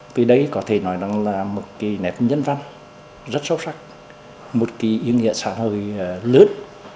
vì đấy có thể nói là một cái nét nhân văn rất sâu sắc một cái ý nghĩa xã hội lớn